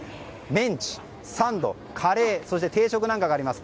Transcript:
メンチ、サンド、カレーそして定食なんかがあります。